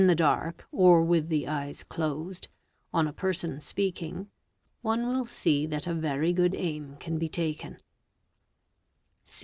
SHEL ' he dark, or with the eyes closed, on a person speaking, one will see that a very good aim can be taken.